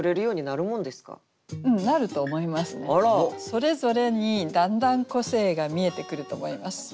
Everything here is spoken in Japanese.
それぞれにだんだん個性が見えてくると思います。